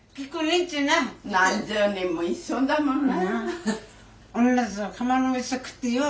何十年も一緒だもんな。